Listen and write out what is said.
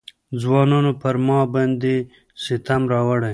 ځوانانو پر ما باندې ستم راوړی.